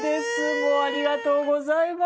もうありがとうございます。